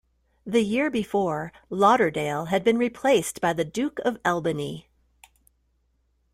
The year before, Lauderdale had been replaced by the Duke of Albany.